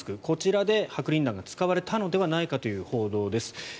こちらで白リン弾が使われたのではないかという報道です。